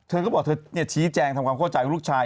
เธอก็บอกเธอชี้แจงทำความเข้าใจของลูกชาย